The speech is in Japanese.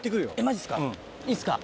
マジっすかいいっすか。